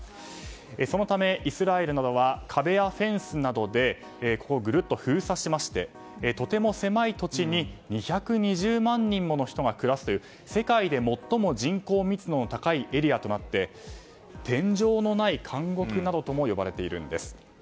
そのため、イスラエルなどは壁やフェンスなどでここをぐるっと封鎖しましてとても狭い土地に２２０万人もの人が暮らすという世界で最も人口密度の高いエリアとなって天井のない監獄などとも呼ばれているんです。